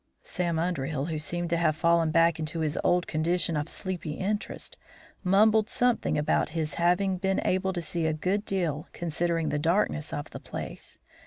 Sam Underhill, who seemed to have fallen back into his old condition of sleepy interest, mumbled something about his having been able to see a good deal, considering the darkness of the place.